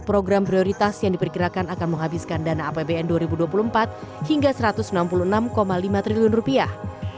dan empat program prioritas yang diperkirakan akan menghabiskan dana apbn dua ribu dua puluh empat hingga satu ratus enam puluh enam lima triliun rupiah